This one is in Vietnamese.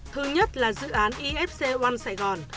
thứ nhất là dự án efc one sài gòn